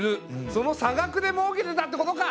その差額でもうけてたってことか！